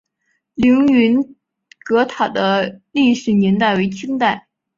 凌云阁塔的历史年代为清代。